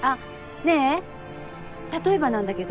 ねえ例えばなんだけど。